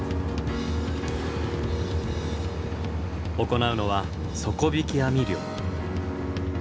行うのは底引き網漁。